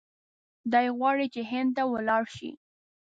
دی غواړي چې هند ته ولاړ شي.